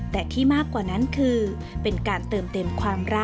แต่ที่มากกว่านั้นคือเป็นการเติมเต็มความรัก